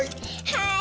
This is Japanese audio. はい。